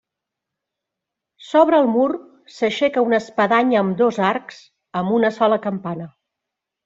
Sobre el mur s'aixeca una espadanya amb dos arcs, amb una sola campana.